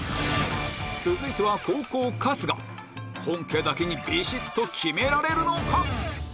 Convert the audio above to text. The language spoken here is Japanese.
続いては後攻春日本家だけにビシっと決められるのか？